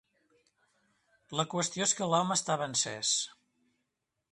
La qüestió és que l'home estava encès.